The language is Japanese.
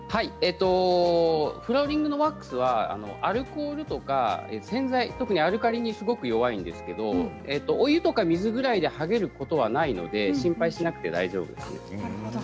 フローリングのワックスはアルコールとか洗剤、特にアルカリに弱いんですけれどお湯とか水ぐらいで剥げることはないので心配しなくて大丈夫です。